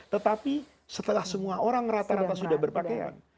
tetapi setelah semua orang rata rata sudah berpakaian